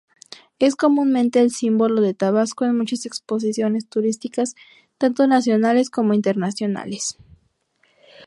Es comúnmente el símbolo de Tabasco en muchas exposiciones turísticas tanto nacionales como internacionales.